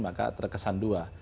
maka terkesan dua